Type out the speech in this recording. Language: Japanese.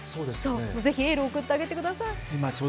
ぜひ、エールを送ってあげてください。